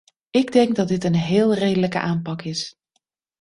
Ik denk dat dit een heel redelijke aanpak is.